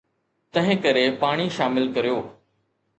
تنهنڪري پاڻي شامل ڪريو.